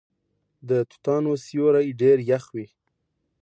د توتانو سیوری ډیر یخ وي.